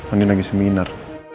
andien lagi seminar